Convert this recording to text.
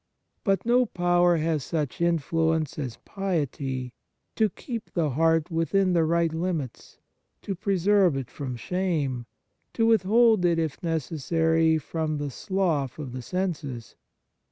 But no power has such influence as piety to keep the heart within the right limits, to preserve it from shame, to withhold it, if necessary, from the slough of the senses.